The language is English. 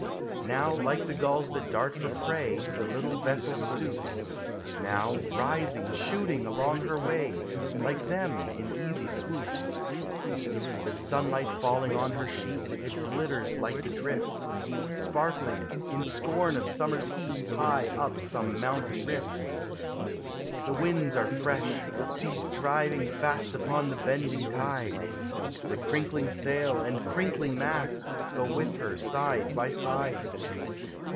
Now, like the gulls thai dari for prey, The little vessel stoops; Now, rising, shooting along her way. Like them, in easy swoops. The sunlight falling on her sheet, It glitters like the drift, Sparkling, in scorn of summer's heal High up some mountain rift. The winds are fresh; she' s driving fast Upon the bending tide; The crinkling sail, and crinkling ma*t, Go with her side by side.